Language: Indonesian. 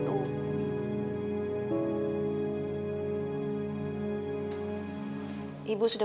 kita mau ke petiwadi sekarang